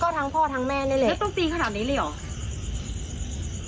ทั้งพ่อทั้งแม่นี่แหละแล้วต้องตีขนาดนี้เลยเหรอ